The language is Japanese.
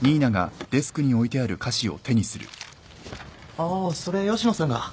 ああそれ吉野さんが。